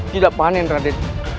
tidak panen raden